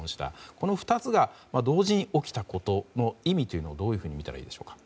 この２つが同時に起きたことの意味をどのようにみたらいいでしょうか。